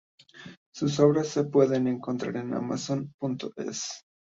Sus obras se pueden encontrar en Amazon.es.